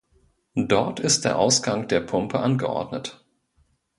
Dort ist der Ausgang der Pumpe angeordnet.